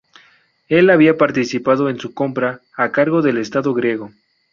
Él había participado en su compra a cargo del estado griego.